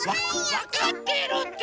わかってるって！